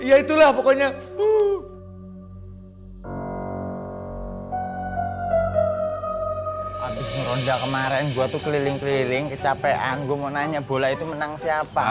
abis meronda kemarin gua tuh keliling keliling kecapean gua mau nanya bola itu menang siapa